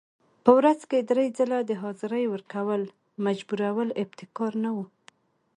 په ورځ کې درې ځله د حاضرۍ ورکولو مجبورول ابتکار نه و.